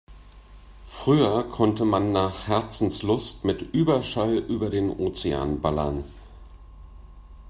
Früher konnte man nach Herzenslust mit Überschall über den Ozean ballern.